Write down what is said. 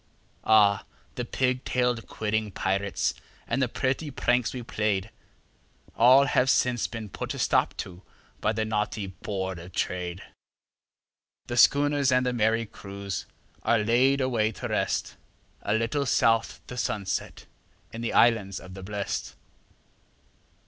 Ah! the pig tailed, quidding pirates and the pretty pranks we played, All have since been put a stop to by the naughty Board of Trade; The schooners and the merry crews are laid away to rest, A little south the sunset in the Islands of the Blest.